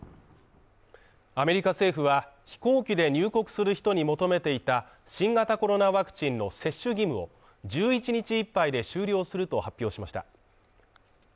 アメリカ政府は、飛行機で入国する人に求めていた新型コロナワクチンの接種義務を１１日いっぱいで終了すると発表しました。